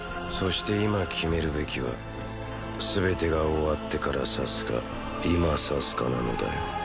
そして今決めるべきは全てが終わってから刺すか今刺すかなのだよ